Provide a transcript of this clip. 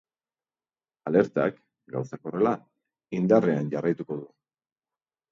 Alertak, gauzak horrela, indarrean jarraituko du.